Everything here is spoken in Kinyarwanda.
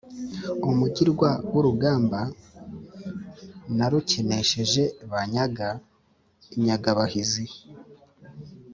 Umugirwa w'urugamba narukenesheje banyaga Inyagirabahizi.